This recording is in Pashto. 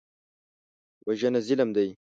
وژنه ظلم دی